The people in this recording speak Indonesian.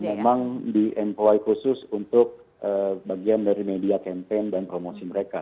memang di employ khusus untuk bagian dari media campaign dan promosi mereka